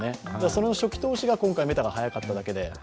それの初期投資が今回メタが早かっただけで。